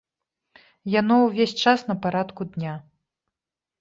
Яно ўвесь час на парадку дня.